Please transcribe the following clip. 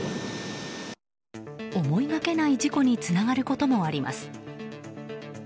思いがけない事故につながることもあります。